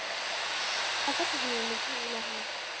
حذّرتها من المجيء إلى هنا.